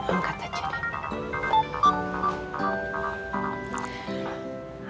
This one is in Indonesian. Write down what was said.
angkat aja deh